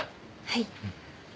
はい。